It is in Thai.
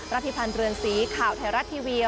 พิพันธ์เรือนสีข่าวไทยรัฐทีวี